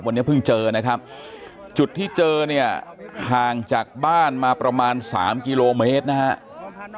วันนี้เพิ่งเจอนะครับจุดที่เจอเนี่ยห่างจากบ้านมาประมาณ๓กิโลเมตรนะครับ